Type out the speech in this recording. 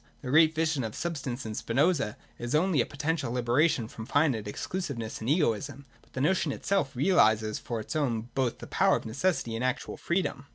— The great vision of substance in Spinoza is only a potential liberation from finite exclusiveness and egoism : but the notion itself realises for its own both the power of necessity and actual freedom.